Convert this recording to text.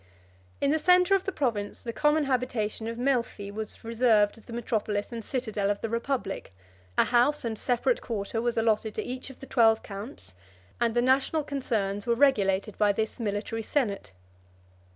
In the centre of the province, the common habitation of Melphi was reserved as the metropolis and citadel of the republic; a house and separate quarter was allotted to each of the twelve counts: and the national concerns were regulated by this military senate.